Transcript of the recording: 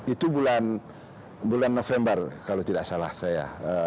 itu bulan november kalau tidak salah saya